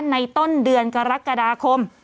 ต้นเดือนกรกฎาคม